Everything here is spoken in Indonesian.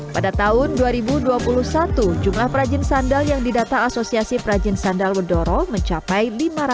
pada tahun dua ribu dua puluh satu jumlah perajin sandal yang didata asosiasi perajin sandal bedoro mencapai lima ratus